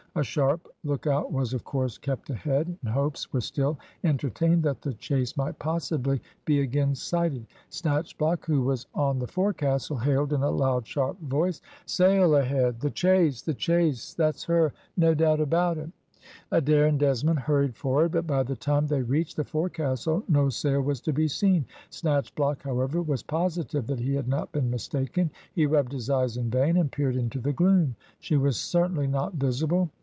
A sharp lookout was, of course, kept ahead, and hopes were still entertained that the chase might possibly be again sighted. Snatchblock, who was on the forecastle, hailed in a loud, sharp voice, "Sail ahead! the chase! the chase! That's her! No doubt about it." Adair and Desmond hurried forward, but by the time they reached the forecastle no sail was to be seen. Snatchblock, however, was positive that he had not been mistaken. He rubbed his eyes in vain, and peered into the gloom. She was certainly not visible.